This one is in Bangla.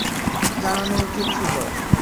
জানানো উচিত ছিল।